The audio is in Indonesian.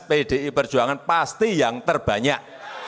pdi perjuangan pasti yang terbanyak